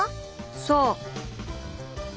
「そう！」。